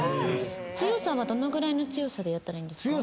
強さはどのぐらいの強さでやったらいいんですか？